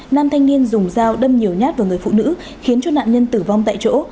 nam thanh niên dùng dao đâm nhiều nhát vào người phụ nữ khiến cho nạn nhân tử vong tại chỗ